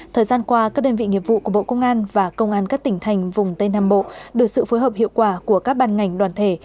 thời gian qua các đơn vị nghiệp vụ của bộ công an và công an các tỉnh thành vùng tây nam bộ được sự phối hợp hiệu quả của các ban ngành đoàn thể